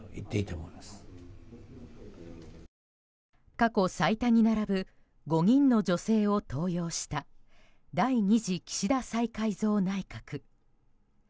過去最多に並ぶ５人の女性を登用した第２次岸田再改造内閣。